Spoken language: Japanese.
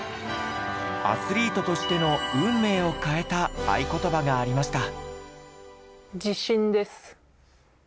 アスリートとしての運命を変えた愛ことばがありました。